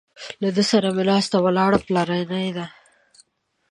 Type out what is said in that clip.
له ده سره مې ناسته ولاړه پلرنۍ ده.